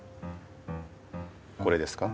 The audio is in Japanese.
これですか？